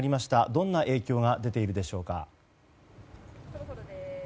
どんな影響が出ているでしょうか。